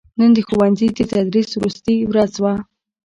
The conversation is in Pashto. نن دښوونځي دتدریس وروستې ورځ وه